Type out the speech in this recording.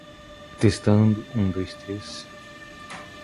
Toward the end of the book, he returns to France as a free man.